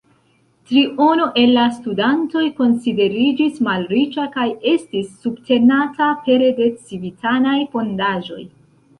Triono el la studantoj konsideriĝis malriĉa kaj estis subtenata pere de civitanaj fondaĵoj.